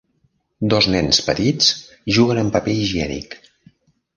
Dos nens petits juguen amb paper higiènic.